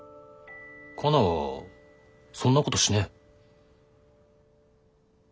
カナはそんなことしねえ。